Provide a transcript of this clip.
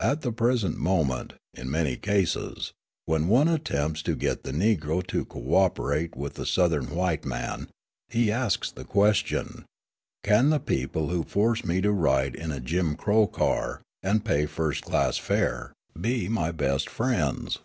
At the present moment, in many cases, when one attempts to get the Negro to co operate with the Southern white man, he asks the question, "Can the people who force me to ride in a Jim Crow car, and pay first class fare, be my best friends?"